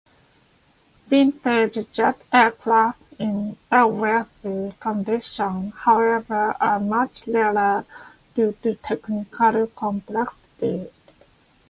Vintage jet aircraft in airworthy condition, however, are much rarer due to technical complexity.